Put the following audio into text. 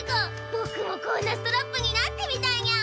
ぼくもこんなストラップになってみたいにゃ！